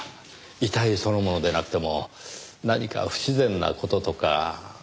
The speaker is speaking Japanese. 遺体そのものでなくても何か不自然な事とか。